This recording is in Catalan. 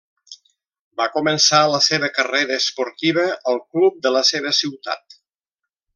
Va començar la seva carrera esportiva al club de la seva ciutat.